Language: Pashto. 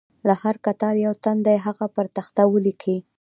له هر کتار یو تن دې هغه پر تخته ولیکي.